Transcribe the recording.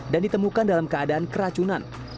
dan ditemukan dalam keadaan keracunan